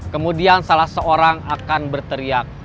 kemudian salah seorang akan berteriak